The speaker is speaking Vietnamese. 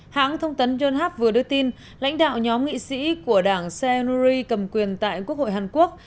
hãng thông tấn john hap vừa đưa tin lãnh đạo nhóm nghị sĩ của đảng se en nuri cầm quyền tại quốc hội hàn quốc